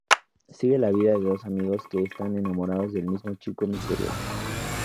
Sigue la vida de dos amigos que están enamorados del mismo chico misterioso.